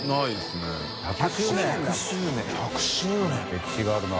歴史があるな。